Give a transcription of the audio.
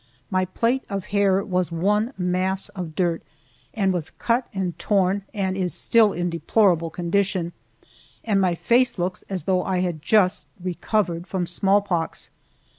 My plait of hair was one mass of dirt and was cut and torn, and is still in a deplorable condition, and my face looks as though I had just recovered from smallpox.